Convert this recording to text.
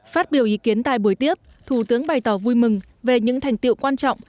phát biểu ý kiến tại buổi tiếp thủ tướng bày tỏ vui mừng về những thành tiệu quan trọng